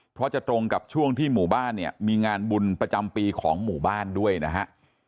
เพราะจะตรงกับช่วงที่หมู่บ้านเนี่ยมีงานบุญประจำปีของหมู่บ้านด้วยนะฮะ